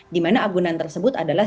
di mana agunan tersebut adalah